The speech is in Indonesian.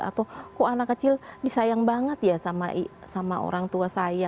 atau kok anak kecil disayang banget ya sama orang tua saya